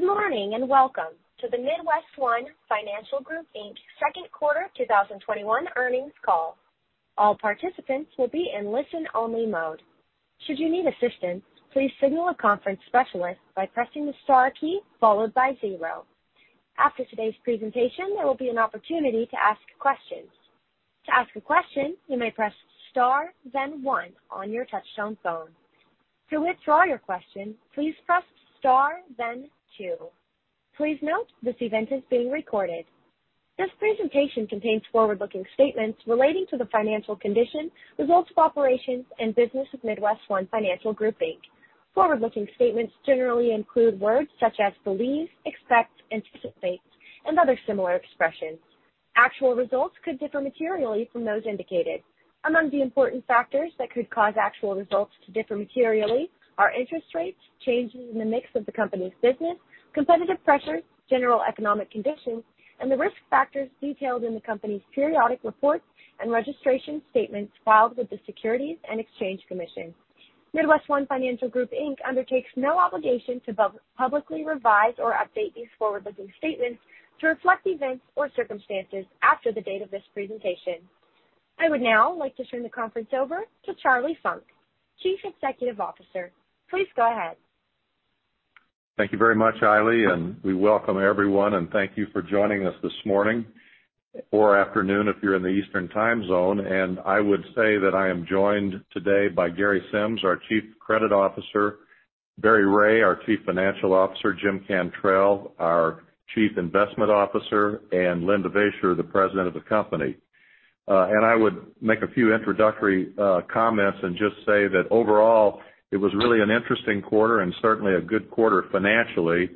Good morning, and welcome to the MidWestOne Financial Group Inc. second quarter 2021 earnings call. This presentation contains forward-looking statements relating to the financial condition, results of operations, and business of MidWestOne Financial Group Inc. Forward-looking statements generally include words such as believe, expect, anticipate, and other similar expressions. Actual results could differ materially from those indicated. Among the important factors that could cause actual results to differ materially are interest rates, changes in the mix of the company's business, competitive pressures, general economic conditions, and the risk factors detailed in the company's periodic reports and registration statements filed with the Securities and Exchange Commission. MidWestOne Financial Group Inc. undertakes no obligation to publicly revise or update these forward-looking statements to reflect events or circumstances after the date of this presentation. I would now like to turn the conference over to Charlie Funk, Chief Executive Officer. Please go ahead. Thank you very much, Eily, and we welcome everyone and thank you for joining us this morning or afternoon if you're in the Eastern Time Zone. I would say that I am joined today by Gary Sims, our Chief Credit Officer, Barry Ray, our Chief Financial Officer, Jim Cantrell, our Chief Investment Officer, and Len Devaisher, the President of the company. I would make a few introductory comments and just say that overall, it was really an interesting quarter and certainly a good quarter financially.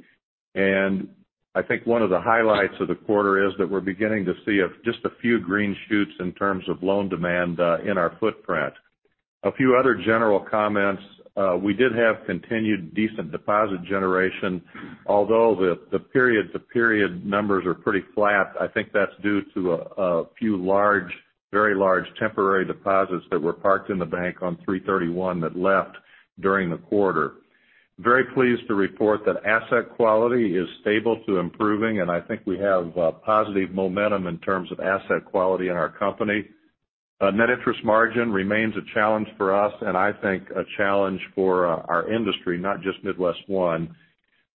I think one of the highlights of the quarter is that we're beginning to see just a few green shoots in terms of loan demand in our footprint. A few other general comments. We did have continued decent deposit generation, although the period-to-period numbers are pretty flat. I think that's due to a few very large temporary deposits that were parked in the bank on 3/31 that left during the quarter. Very pleased to report that asset quality is stable to improving, and I think we have positive momentum in terms of asset quality in our company. Net interest margin remains a challenge for us, and I think a challenge for our industry, not just MidWestOne.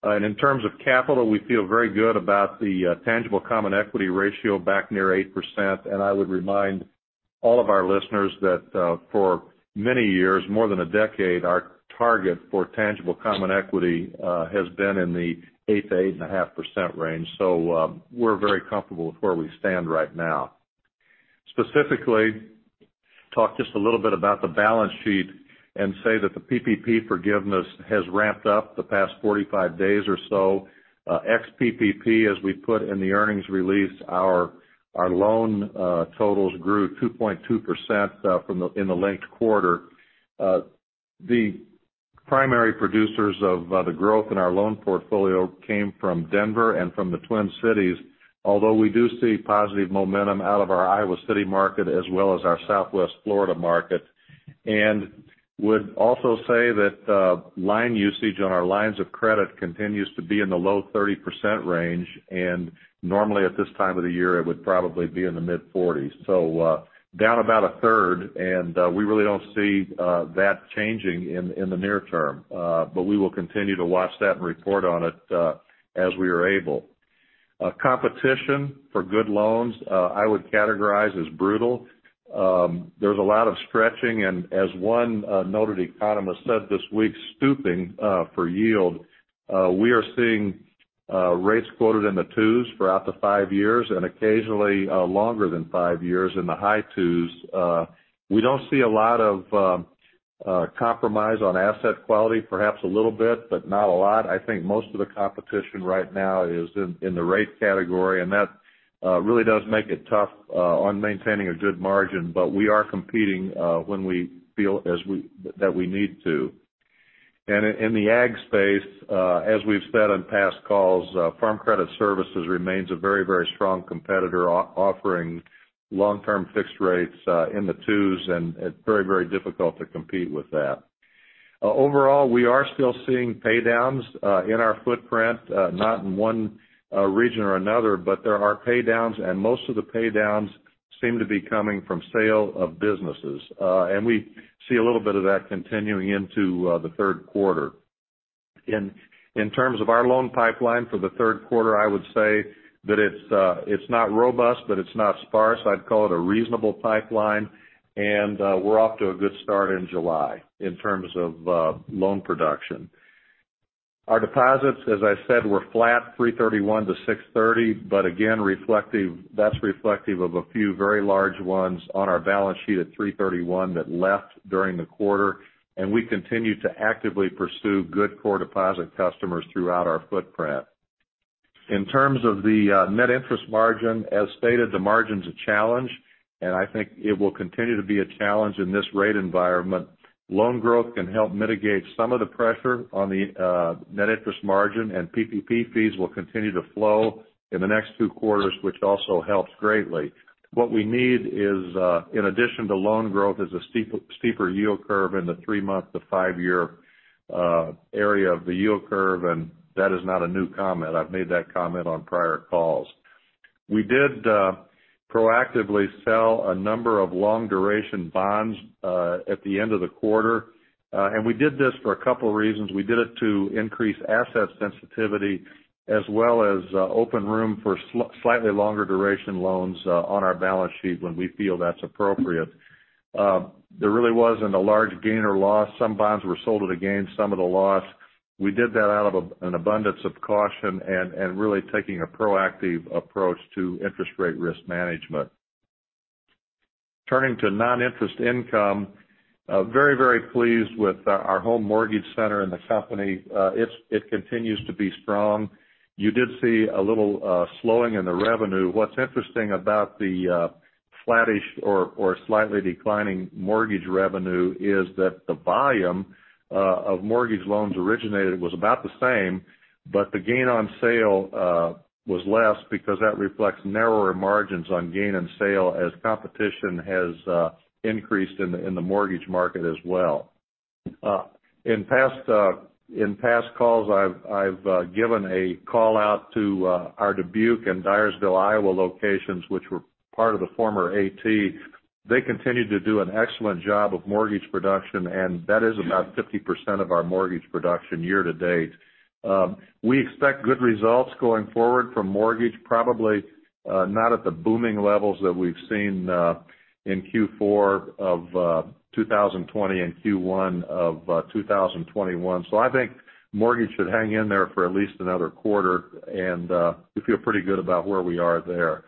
In terms of capital, we feel very good about the tangible common equity ratio back near 8%, and I would remind all of our listeners that for many years, more than a decade, our target for tangible common equity has been in the 8%-8.5% range. We're very comfortable with where we stand right now. Specifically, talk just a little bit about the balance sheet and say that the PPP forgiveness has ramped-up the past 45 days or so. Ex-PPP, as we put in the earnings release, our loan totals grew 2.2% in the linked quarter. The primary producers of the growth in our loan portfolio came from Denver and from the Twin Cities, although we do see positive momentum out of our Iowa City market as well as our Southwest Florida market, and would also say that line usage on our lines of credit continues to be in the low 30% range, and normally at this time of the year, it would probably be in the mid-40%s. Down about a third, we really don't see that changing in the near term. We will continue to watch that and report on it as we are able. Competition for good loans, I would categorize as brutal. There's a lot of stretching and as one noted economist said this week, stooping for yield. We are seeing rates quoted in the twos for out to five years and occasionally longer than five years in the high twos. We don't see a lot of compromise on asset quality, perhaps a little bit, but not a lot. I think most of the competition right now is in the rate category, and that really does make it tough on maintaining a good margin. We are competing when we feel that we need to. In the ag space, as we've said on past calls, Farm Credit Services remains a very, very strong competitor, offering long-term fixed rates in the twos, and it's very, very difficult to compete with that. Overall, we are still seeing paydowns in our footprint, not in one region or another, but there are paydowns, and most of the paydowns seem to be coming from sale of businesses. We see a little bit of that continuing into the third quarter. In terms of our loan pipeline for the third quarter, I would say that it's not robust, but it's not sparse. I'd call it a reasonable pipeline, and we're off to a good start in July in terms of loan production. Our deposits, as I said, were flat 3/31 to 6/30, but again, that's reflective of a few very large ones on our balance sheet at 3/31 that left during the quarter, and we continue to actively pursue good core deposit customers throughout our footprint. In terms of the net interest margin, as stated, the margin's a challenge, and I think it will continue to be a challenge in this rate environment. Loan growth can help mitigate some of the pressure on the net interest margin, and PPP fees will continue to flow in the next two quarters, which also helps greatly. What we need, in addition to loan growth, is a steeper yield curve in the three-month to five-year area of the yield curve. That is not a new comment. I've made that comment on prior calls. We did proactively sell a number of long-duration bonds at the end of the quarter. We did this for a couple of reasons. We did it to increase asset sensitivity as well as open room for slightly longer duration loans on our balance sheet when we feel that's appropriate. There really wasn't a large gain or loss. Some bonds were sold at a gain, some at a loss. We did that out of an abundance of caution and really taking a proactive approach to interest rate risk management. Turning to non-interest income, very, very pleased with our home mortgage center and the company. It continues to be strong. You did see a little slowing in the revenue. What's interesting about the flattish or slightly declining mortgage revenue is that the volume of mortgage loans originated was about the same, but the gain on sale was less because that reflects narrower margins on gain and sale as competition has increased in the mortgage market as well. In past calls, I've given a call out to our Dubuque and Dyersville, Iowa locations, which were part of the former AT. They continue to do an excellent job of mortgage production, and that is about 50% of our mortgage production year-to-date. We expect good results going forward from mortgage, probably not at the booming levels that we've seen in Q4 2020 and Q1 2021. I think mortgage should hang in there for at least another quarter, and we feel pretty good about where we are there.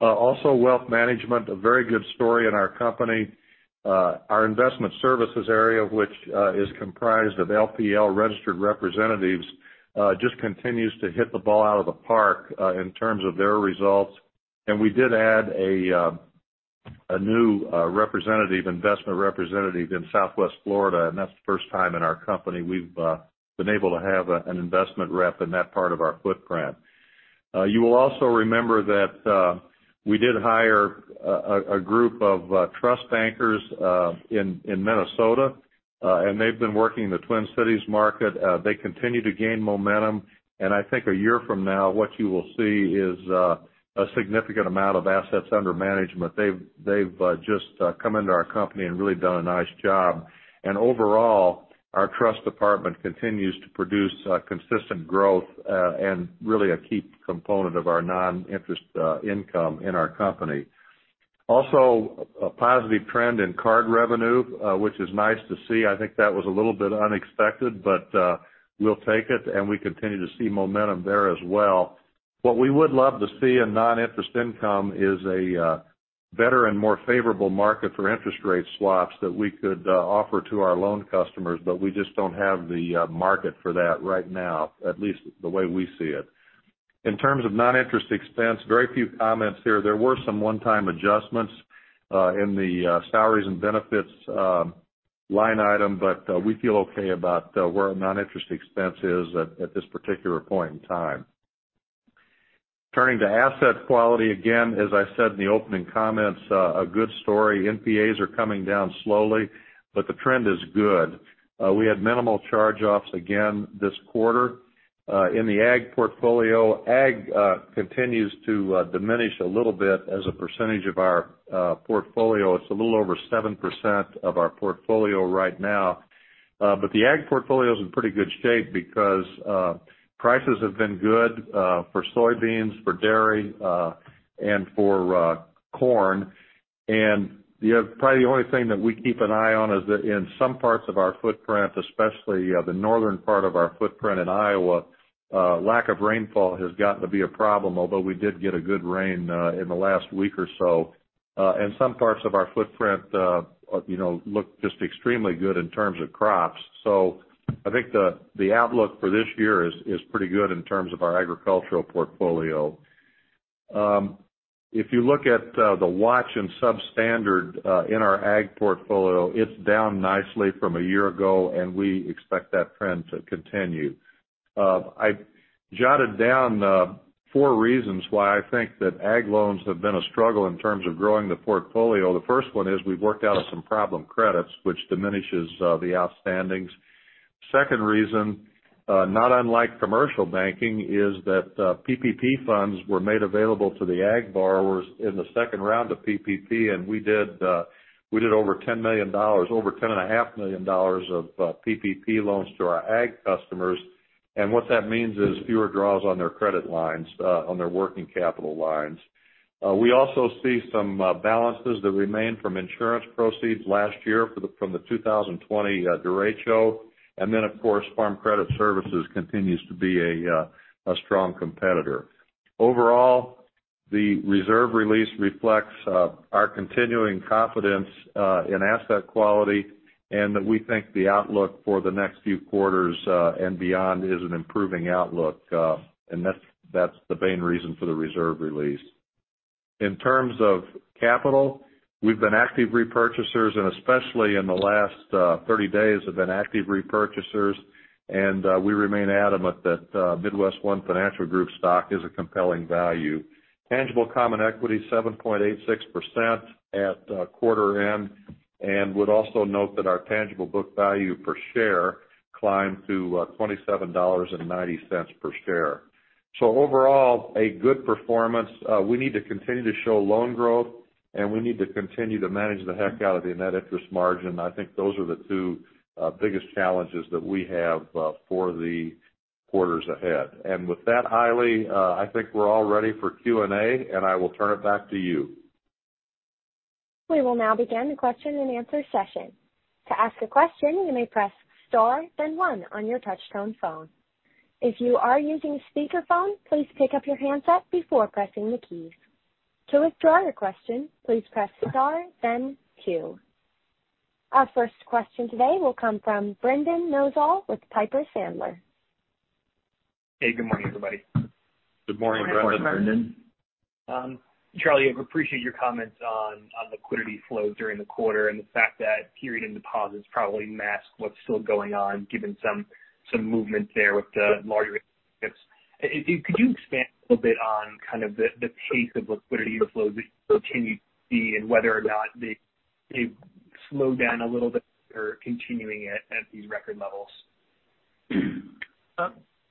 Also, wealth management, a very good story in our company. Our investment services area, which is comprised of LPL registered representatives just continues to hit the ball out of the park in terms of their results. We did add a new investment representative in Southwest Florida, and that's the first time in our company we've been able to have an investment rep in that part of our footprint. You will also remember that we did hire a group of trust bankers in Minnesota, and they've been working in the Twin Cities market. They continue to gain momentum, and I think a year from now, what you will see is a significant amount of assets under management. They've just come into our company and really done a nice job. Overall, our trust department continues to produce consistent growth and really a key component of our non-interest income in our company. Also, a positive trend in card revenue, which is nice to see. I think that was a little bit unexpected, but we'll take it, and we continue to see momentum there as well. What we would love to see in non-interest income is a better and more favorable market for interest rate swaps that we could offer to our loan customers, but we just don't have the market for that right now, at least the way we see it. In terms of non-interest expense, very few comments here. There were some one-time adjustments in the salaries and benefits line item, but we feel okay about where non-interest expense is at this particular point in time. Turning to asset quality, again, as I said in the opening comments, a good story. NPAs are coming down slowly, but the trend is good. We had minimal charge-offs again this quarter. In the ag portfolio, ag continues to diminish a little bit as a percentage of our portfolio. It's a little over 7% of our portfolio right now. The ag portfolio is in pretty good shape because prices have been good for soybeans, for dairy, and for corn. Probably the only thing that we keep an eye on is that in some parts of our footprint, especially the northern part of our footprint in Iowa, lack of rainfall has gotten to be a problem, although we did get a good rain in the last week or so. Some parts of our footprint look just extremely good in terms of crops. I think the outlook for this year is pretty good in terms of our agricultural portfolio. If you look at the watch and substandard in our ag portfolio, it's down nicely from a year ago, and we expect that trend to continue. I jotted down four reasons why I think that ag loans have been a struggle in terms of growing the portfolio. The first one is we've worked out some problem credits, which diminishes the outstandings. Second reason, not unlike commercial banking, is that PPP funds were made available to the ag borrowers in the second round of PPP, and we did over $10.5 million of PPP loans to our ag customers. What that means is fewer draws on their credit lines, on their working capital lines. We also see some balances that remain from insurance proceeds last year from the 2020 derecho. Of course, Farm Credit Services continues to be a strong competitor. Overall, the reserve release reflects our continuing confidence in asset quality and that we think the outlook for the next few quarters and beyond is an improving outlook. That's the main reason for the reserve release. In terms of capital, we've been active repurchasers, and especially in the last 30 days, have been active repurchasers, and we remain adamant that MidWestOne Financial Group stock is a compelling value. Tangible common equity is 7.86% at quarter-end, and would also note that our tangible book value per share climbed to $27.90 per share. Overall, a good performance. We need to continue to show loan growth, and we need to continue to manage the heck out of the net interest margin. I think those are the two biggest challenges that we have for the quarters ahead. With that, Eily, I think we're all ready for Q&A, and I will turn it back to you. We will now begin the question-and-answer session. To ask a question you may press star then one on your touch-tone phone. If you are using speaker phone please pick up your handset before pressing the keys. To withdraw your questions please press star then two. Our first question today will come from Brendan Nosal with Piper Sandler. Hey, good morning, everybody. Good morning, Brendan. Good morning, Brendan. Charlie, I appreciate your comments on liquidity flows during the quarter and the fact that period-end deposits probably mask what's still going on, given some movement there with the larger. Could you expand a little bit on the pace of liquidity flows that you continue to see and whether or not they've slowed down a little bit or are continuing at these record levels?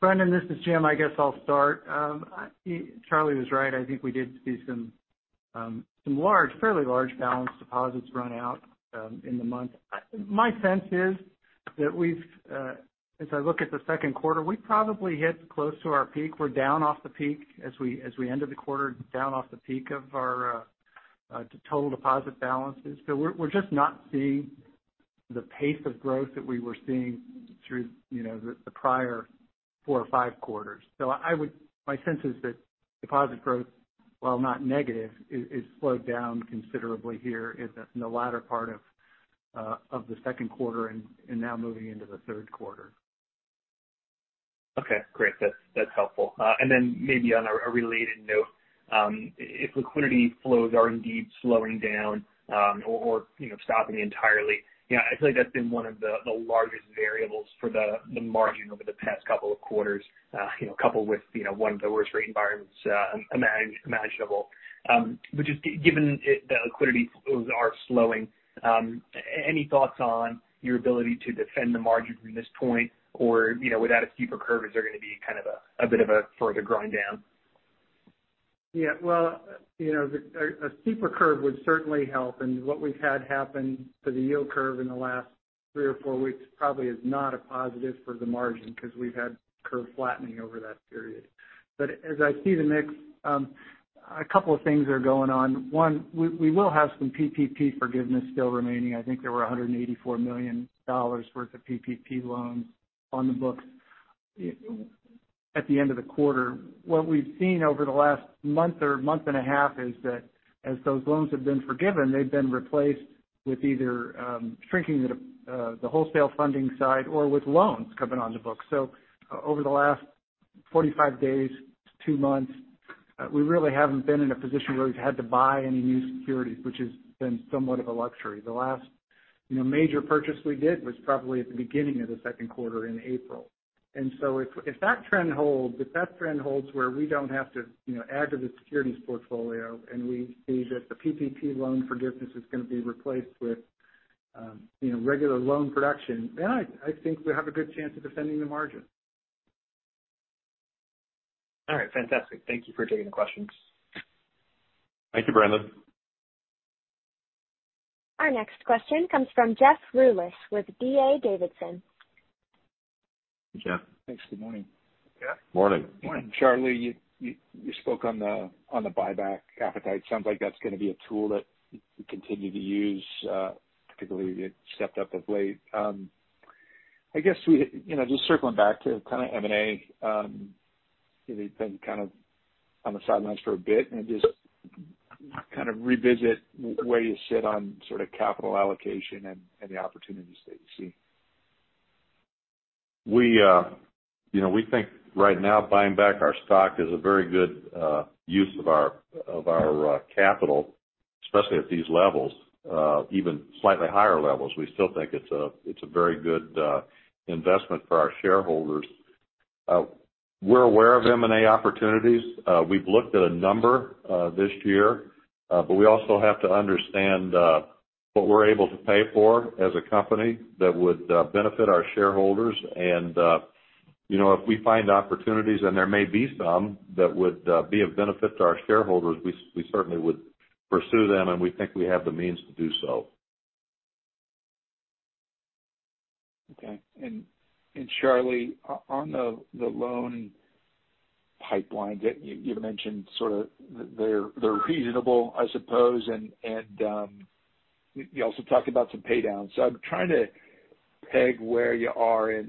Brendan, this is Jim. I guess I'll start. Charlie was right. I think we did see some fairly large balance deposits run out in the month. My sense is that as I look at the second quarter, we probably hit close to our peak. We're down off the peak as we end the quarter, down off the peak of our total deposit balances. We're just not seeing the pace of growth that we were seeing through the prior four or five quarters. My sense is that deposit growth, while not negative, it's slowed down considerably here in the latter part of the second quarter and now moving into the third quarter. Okay, great. That's helpful. Then maybe on a related note, if liquidity flows are indeed slowing down or stopping entirely, I feel like that's been one of the largest variables for the margin over the past couple of quarters coupled with one of the worst rate environments imaginable. Just given the liquidity flows are slowing, any thoughts on your ability to defend the margin from this point? Or without a steeper curve, is there going to be a bit of a further grind down? Yeah. Well, a steeper curve would certainly help. What we've had happen to the yield curve in the last three or four weeks probably is not a positive for the margin because we've had curve flattening over that period. As I see the mix, a couple of things are going on. One, we will have some PPP forgiveness still remaining. I think there were $184 million worth of PPP loans on the books at the end of the quarter. What we've seen over the last month or month and a half is that as those loans have been forgiven, they've been replaced with either shrinking the wholesale funding side or with loans coming on the books. Over the last 45 days to two months, we really haven't been in a position where we've had to buy any new securities, which has been somewhat of a luxury. The last major purchase we did was probably at the beginning of the second quarter in April. If that trend holds where we don't have to add to the securities portfolio and we see that the PPP loan forgiveness is going to be replaced with regular loan production, then I think we have a good chance of defending the margin. All right. Fantastic. Thank you for taking the questions. Thank you, Brendan. Our next question comes from Jeff Rulis with D.A. Davidson. Hey, Jeff. Thanks. Good morning. Morning. Charlie, you spoke on the buyback appetite. Sounds like that's going to be a tool that you continue to use. Particularly, you stepped up of late. Just circling back to kind of M&A. You've been on the sidelines for a bit, and just kind of revisit where you sit on capital allocation and the opportunities that you see. We think right now buying back our stock is a very good use of our capital, especially at these levels. Even slightly higher levels, we still think it's a very good investment for our shareholders. We're aware of M&A opportunities. We've looked at a number this year. We also have to understand what we're able to pay for as a company that would benefit our shareholders. If we find opportunities, and there may be some that would be of benefit to our shareholders, we certainly would pursue them, and we think we have the means to do so. Okay. Charlie, on the loan pipeline that you mentioned, they're reasonable, I suppose. You also talked about some pay downs. I'm trying to peg where you are. It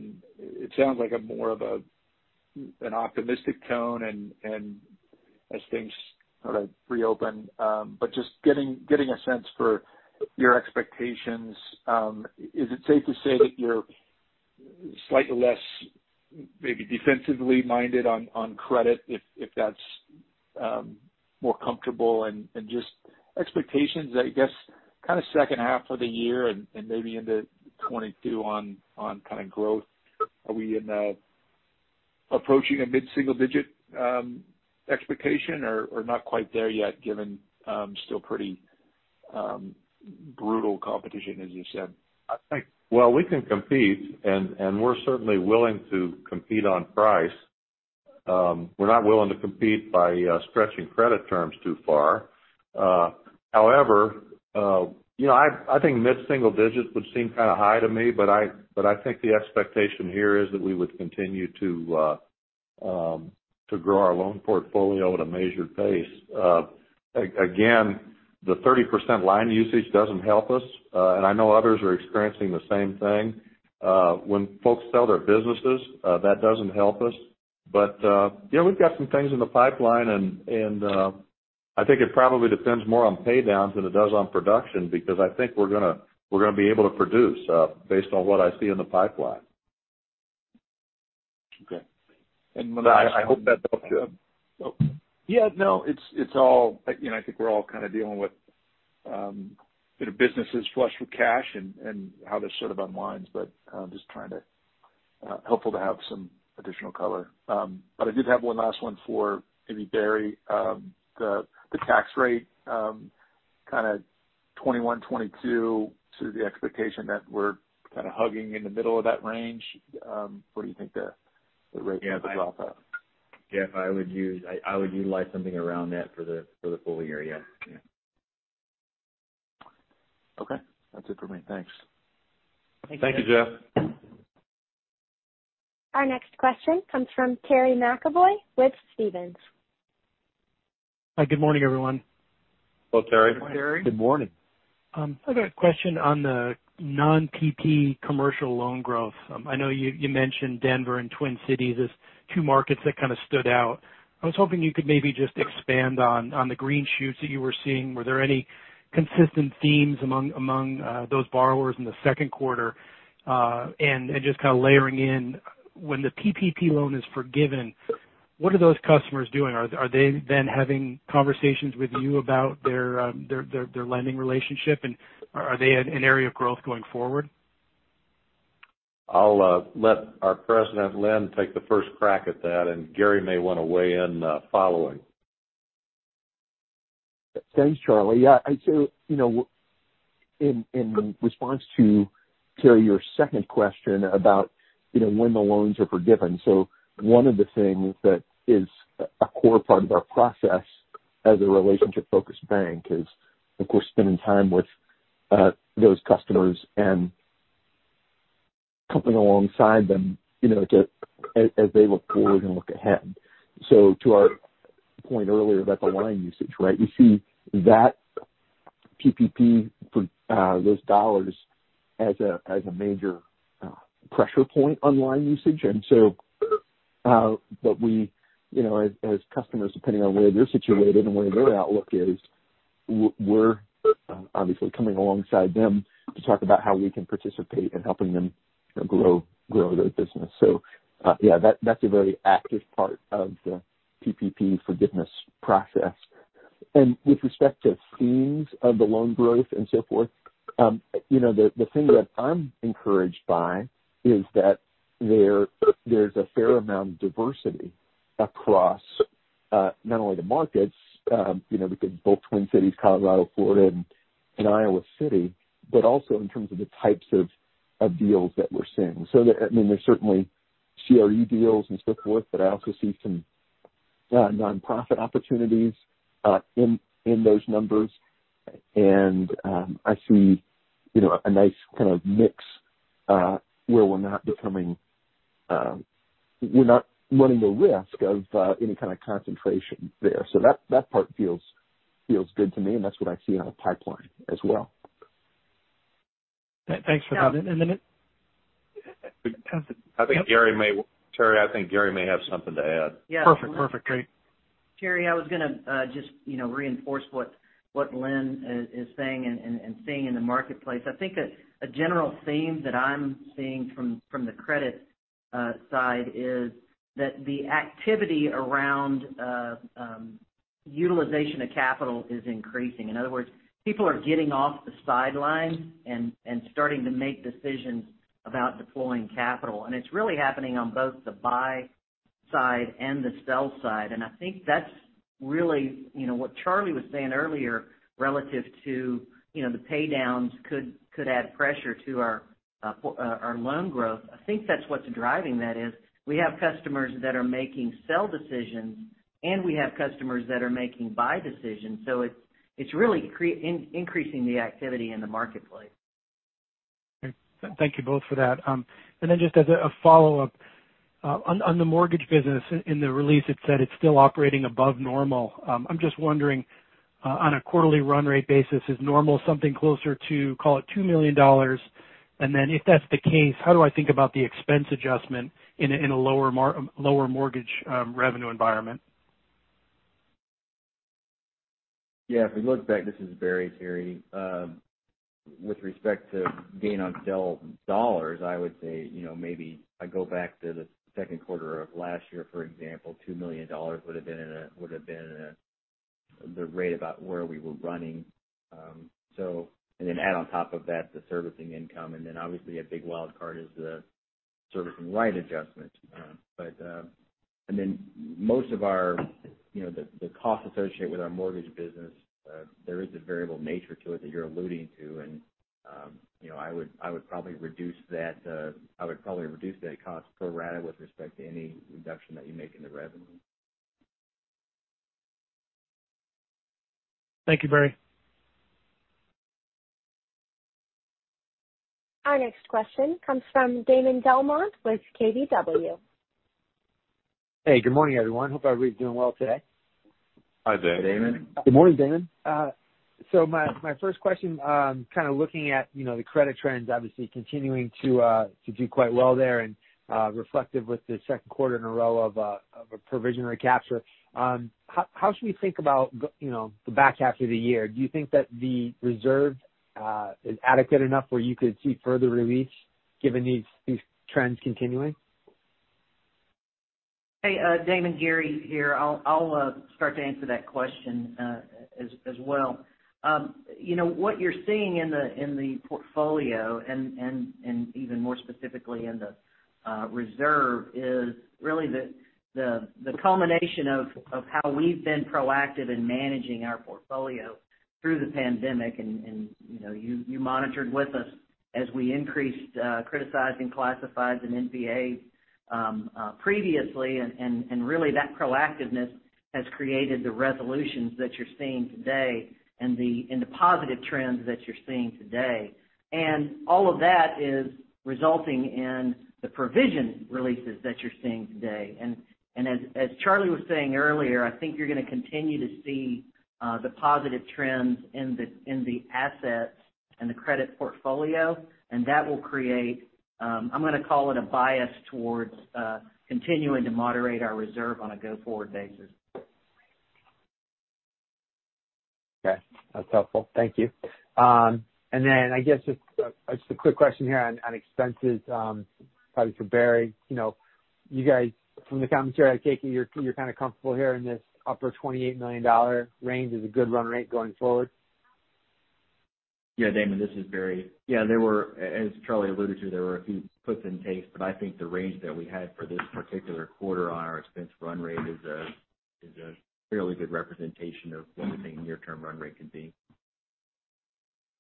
sounds like more of an optimistic tone as things reopen. Just getting a sense for your expectations. Is it safe to say that you're slightly less maybe defensively minded on credit, if that's more comfortable and just expectations, I guess, kind of second half of the year and maybe into 2022 on growth? Are we approaching a mid-single digit expectation or not quite there yet, given still pretty brutal competition, as you said? I think, well, we can compete, and we're certainly willing to compete on price. We're not willing to compete by stretching credit terms too far. I think mid-single digits would seem kind of high to me, but I think the expectation here is that we would continue to grow our loan portfolio at a measured pace. The 30% line usage doesn't help us. I know others are experiencing the same thing. When folks sell their businesses, that doesn't help us. We've got some things in the pipeline, and I think it probably depends more on pay downs than it does on production, because I think we're going to be able to produce based on what I see in the pipeline. Okay. I hope that helps, Jeff. I think we're all kind of dealing with businesses flush with cash and how this sort of unwinds, helpful to have some additional color. I did have one last one for maybe Gary. The tax rate kind of 21%-22%, is the expectation that we're kind of hugging in the middle of that range. What do you think the rate is going to drop at? Yeah. I would utilize something around that for the full year. Yeah. Okay. That's it for me. Thanks. Thank you, Jeff. Our next question comes from Terry McEvoy with Stephens. Hi, good morning, everyone. Hello, Terry. Good morning. I've got a question on the non-PPP commercial loan growth. I know you mentioned Denver and Twin Cities as two markets that kind of stood out. I was hoping you could maybe just expand on the green shoots that you were seeing. Were there any consistent themes among those borrowers in the second quarter? Just kind of layering in, when the PPP loan is forgiven, what are those customers doing? Are they then having conversations with you about their lending relationship, and are they an area of growth going forward? I'll let our President, Len, take the first crack at that, and Gary may want to weigh in following. Thanks, Charlie. Yeah. In response to, Terry, your second question about when the loans are forgiven. One of the things that is a core part of our process as a relationship-focused bank is, of course, spending time with those customers and coming alongside them as they look forward and look ahead. To our point earlier about the line usage, right? We see that PPP for those dollars as a major pressure point on line usage. But we, as customers, depending on where they're situated and where their outlook is, we're obviously coming alongside them to talk about how we can participate in helping them grow their business. Yeah, that's a very active part of the PPP forgiveness process. With respect to themes of the loan growth and so forth, the thing that I'm encouraged by is that there's a fair amount of diversity across not only the markets because both Twin Cities, Colorado, Florida, and Iowa City, but also in terms of the types of deals that we're seeing. There's certainly CRE deals and so forth, but I also see some nonprofit opportunities in those numbers. I see a nice kind of mix where we're not running the risk of any kind of concentration there. That part feels good to me, and that's what I see on the pipeline as well. Thanks for that. Terry, I think Gary may have something to add. Perfect Gary. Terry, I was going to just reinforce what Len is saying and seeing in the marketplace. I think a general theme that I'm seeing from the credit side is that the activity around utilization of capital is increasing. In other words, people are getting off the sidelines and starting to make decisions about deploying capital. It's really happening on both the buy side and the sell side. I think that's really what Charlie was saying earlier relative to the pay downs could add pressure to our loan growth. I think that's what's driving that is we have customers that are making sell decisions, and we have customers that are making buy decisions. It's really increasing the activity in the marketplace. Thank you both for that. Just as a follow-up, on the mortgage business, in the release, it said it's still operating above normal. I'm just wondering, on a quarterly run-rate basis, is normal something closer to, call it, $2 million? If that's the case, how do I think about the expense adjustment in a lower mortgage revenue environment? Yeah, if we look back, this is Barry, Terry. With respect to gain on sale dollars, I would say, maybe I go back to the second quarter of last year, for example, $2 million would have been the rate about where we were running. Add on top of that, the servicing income, obviously a big wild card is the servicing rights adjustment. Most of the costs associated with our mortgage business, there is a variable nature to it that you're alluding to, I would probably reduce that cost pro rata with respect to any reduction that you make in the revenue. Thank you, Barry. Our next question comes from Damon DelMonte with KBW. Hey, good morning, everyone. Hope everybody's doing well today. Hi Damon. Good morning, Damon. My first question, kind of looking at the credit trends, obviously continuing to do quite well there and reflective with the second quarter in a row of a provision recapture. How should we think about the back half of the year? Do you think that the reserve is adequate enough where you could see further release given these trends continuing? Hey, Damon, Gary here. I'll start to answer that question as well. What you're seeing in the portfolio and even more specifically in the reserve is really the culmination of how we've been proactive in managing our portfolio through the pandemic. You monitored with us as we increased criticized and classifieds and NPA previously, and really that proactiveness has created the resolutions that you're seeing today and the positive trends that you're seeing today. All of that is resulting in the provision releases that you're seeing today. As Charlie was saying earlier, I think you're going to continue to see the positive trends in the assets and the credit portfolio, and that will create, I'm going to call it a bias towards continuing to moderate our reserve on a go-forward basis. Okay. That's helpful. Thank you. I guess just a quick question here on expenses, probably for Barry. You guys, from the commentary, I take it you're kind of comfortable here in this upper $28 million range is a good run-rate going forward? Yeah, Damon, this is Barry. Yeah, there were, as Charlie alluded to, there were a few puts and takes, but I think the range that we had for this particular quarter on our expense run-rate is a fairly good representation of what we think near term run-rate can be.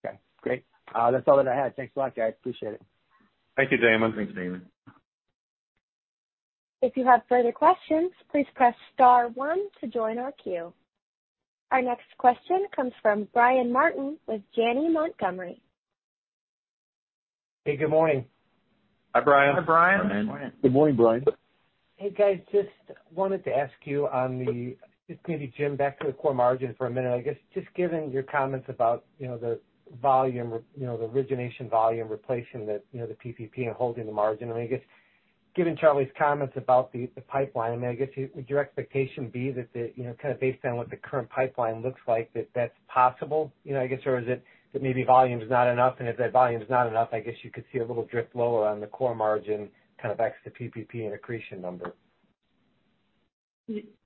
Okay, great. That's all that I had. Thanks a lot, guys. Appreciate it. Thank you, Damon. Thanks, Damon. If you have further questions, please press star one to join our queue. Our next question comes from Brian Martin with Janney Montgomery. Hey, good morning. Hi, Brian. Hi, Brian. Good morning Brian. Hey, guys, just wanted to ask you just maybe Jim, back to the core margin for a minute. I guess, just given your comments about the origination volume replacement that the PPP and holding the margin. I guess, given Charlie's comments about the pipeline, I guess would your expectation be that kind of based on what the current pipeline looks like, that that's possible? I guess or is it that maybe volume's not enough? If that volume is not enough, I guess you could see a little drift lower on the core margin, kind of ex the PPP and accretion number.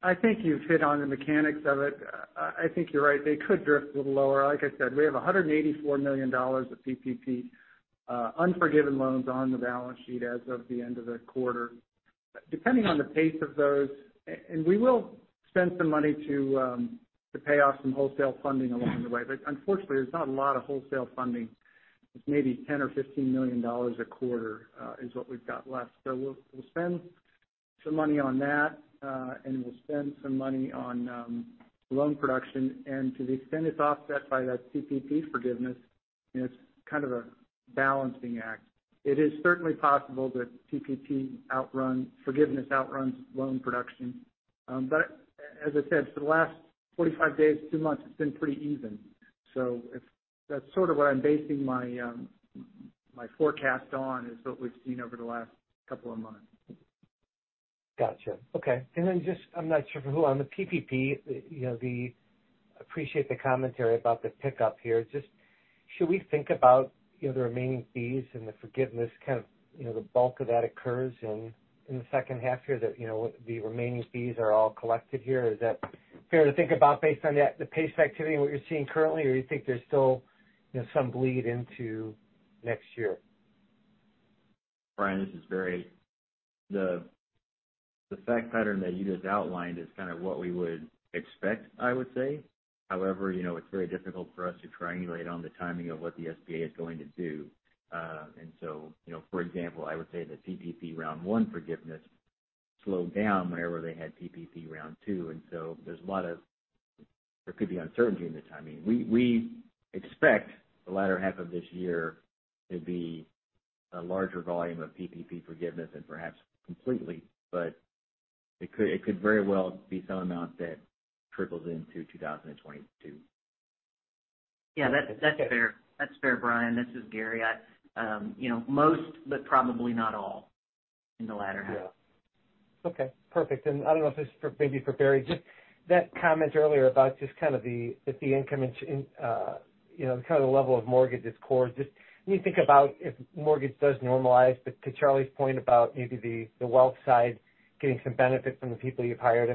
I think you've hit on the mechanics of it. I think you're right. They could drift a little lower. Like I said, we have $184 million of PPP unforgiven loans on the balance sheet as of the end of the quarter. Depending on the pace of those, and we will spend some money to pay off some wholesale funding along the way, but unfortunately, there's not a lot of wholesale funding. It's maybe $10 million or $15 million a quarter is what we've got left. We'll spend some money on that, and we'll spend some money on loan production, and to the extent it's offset by that PPP forgiveness, it's kind of a balancing act. It is certainly possible that PPP forgiveness outruns loan production. As I said, for the last 45 days to two months, it's been pretty even. That's sort of what I'm basing my forecast on is what we've seen over the last couple of months. Gotcha. Okay. I'm not sure for who on the PPP, appreciate the commentary about the pickup here. Should we think about the remaining fees and the forgiveness, kind of the bulk of that occurs in the second half here that the remaining fees are all collected here? Is that fair to think about based on the pace of activity and what you're seeing currently, or you think there's still some bleed into next year? Brian, this is Barry. The fact pattern that you just outlined is kind of what we would expect, I would say. However, it's very difficult for us to triangulate on the timing of what the SBA is going to do. For example, I would say the PPP round one forgiveness slowed down whenever they had PPP round two, and so there could be uncertainty in the timing. We expect the latter half of this year to be a larger volume of PPP forgiveness than perhaps completely, but it could very well be some amount that trickles into 2022. Yeah, that's fair. That's fair, Brian. This is Gary. Most, but probably not all in the latter half. Yeah. Okay, perfect. I don't know if this is maybe for Barry. Just that comment earlier about just kind of the income, kind of the level of mortgage is core. Just when you think about if mortgage does normalize, but to Charlie's point about maybe the wealth side getting some benefit from the people you've hired.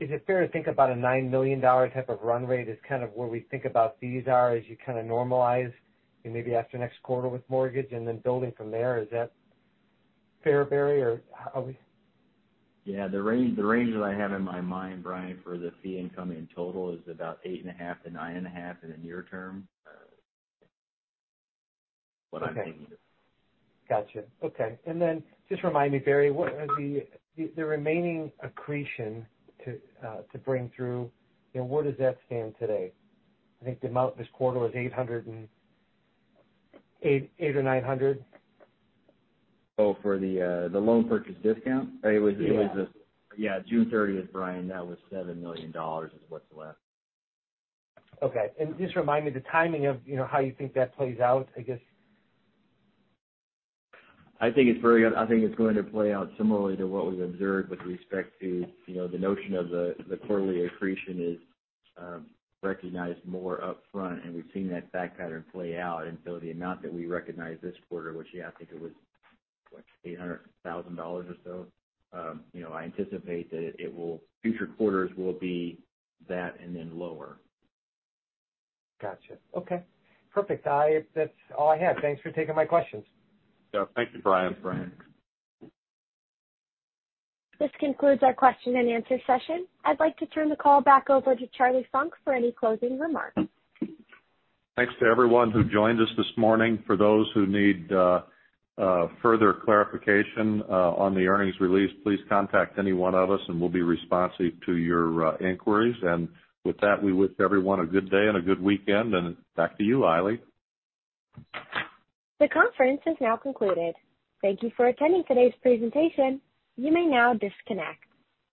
Is it fair to think about a $9 million type of run-rate as kind of where we think about fees are as you kind of normalize maybe after next quarter with mortgage and then building from there? Is that fair, Barry? Yeah, the range that I have in my mind, Brian, for the fee income in total is about $8.5 million to $9.5 million in the near term Okay. what I'm thinking. Got you. Okay. Just remind me, Barry, the remaining accretion to bring through, where does that stand today? I think the amount this quarter was $800,000 or $900,000. Oh, for the loan purchase discount? Yeah. Yeah, June 30th, Brian, that was $7 million, is what's left. Okay. Just remind me the timing of how you think that plays out, I guess. I think it's going to play out similarly to what we've observed with respect to the notion of the quarterly accretion is recognized more upfront, and we've seen that fact pattern play out. The amount that we recognized this quarter, which, yeah, I think it was, what, $800,000 or so. I anticipate that future quarters will be that and then lower. Got you. Okay, perfect. That's all I have. Thanks for taking my questions. Yeah. Thank you, Brian. This concludes our question-and-answer session. I'd like to turn the call back over to Charlie Funk for any closing remarks. Thanks to everyone who joined us this morning. For those who need further clarification on the earnings release, please contact any one of us and we'll be responsive to your inquiries. With that, we wish everyone a good day and a good weekend, and back to you, Eily. The conference has now concluded. Thank you for attending today's presentation. You may now disconnect.